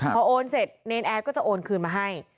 พอโอนเสร็จเนรนแอร์ก็จะโอนคืนมาให้